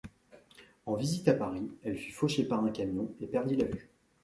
En visite à Paris, elle fut fauchée par un camion, et perdit la vue.